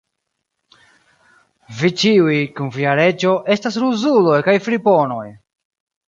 Vi ĉiuj, kun via reĝo, estas ruzuloj kaj friponoj!